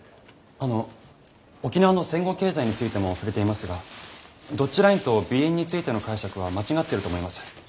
あの沖縄の戦後経済についても触れていましたがドッジラインとＢ円についての解釈は間違ってると思います。